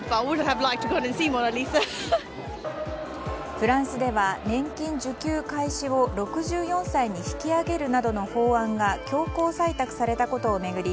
フランスでは年金受給開始を６４歳に引き上げるなどの法案が強行採択されたことを巡り